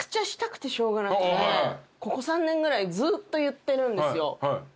ここ３年ぐらいずっと言ってるんですよ。